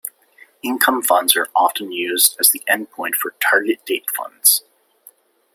Income funds are often used as the endpoint for target-date funds.